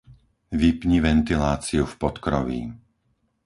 Vypni ventiláciu v podkroví.